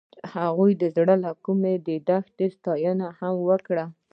هغې د زړه له کومې د دښته ستاینه هم وکړه.